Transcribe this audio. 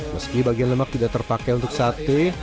meski bagian lemak tidak terpakai untuk sate